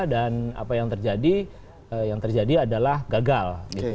dan apa yang terjadi yang terjadi adalah gagal